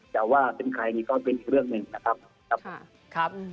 ส่วนเป็นใครก็เป็นอีกเรื่องหนึ่ง